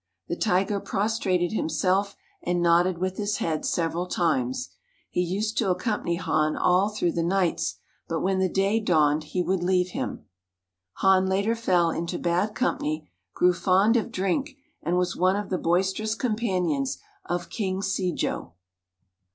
The tiger prostrated himself and nodded with his head several times. He used to accompany Han all through the nights, but when the day dawned he would leave him. Han later fell into bad company, grew fond of drink, and was one of the boisterous companions of King Se jo.